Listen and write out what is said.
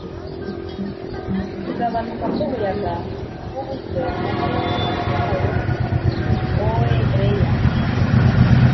kugabanuka k'umuyaga w'ubushyo buhoro buhoro o'er lea,